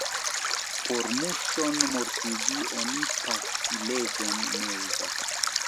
Por muŝon mortigi, oni pafilegon ne uzas.